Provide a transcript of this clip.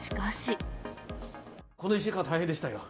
この１週間、大変でしたよ。